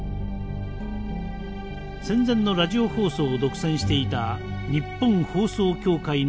戦前のラジオ放送を独占していた日本放送協会の総裁です。